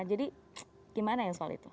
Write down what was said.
jadi gimana soal itu